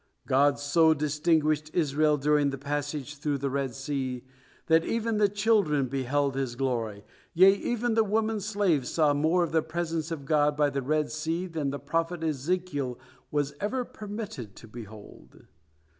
God so distinguished Israel during the passage through the Red Sea, that even the children beheld His glory, yea, even the woman slave saw more of the presence of God by the Red Sea than the Prophet Ezekiel was ever permitted to behold.